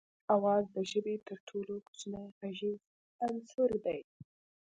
آواز د ژبې تر ټولو کوچنی غږیز عنصر دی